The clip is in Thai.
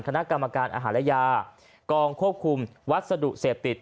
คณะกรรมการอาหารและยากองควบคุมวัสดุเสพติด